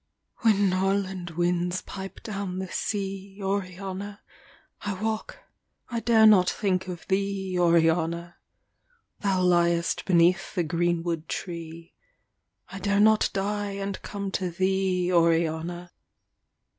When Norland winds pipe down the sea, Oriana, I walk, I dare not think of thee, Oriana. Thou liest beneath the greenwood tree, I dare not die and come to thee, Oriana.